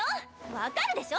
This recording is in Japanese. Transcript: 分かるでしょ？